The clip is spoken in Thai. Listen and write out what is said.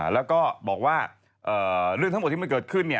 แล้วก็บอกว่าเรื่องทั้งหมดที่มันเกิดขึ้น